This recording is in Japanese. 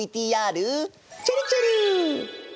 ＶＴＲちぇるちぇる。